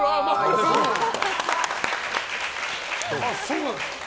そうなんですか？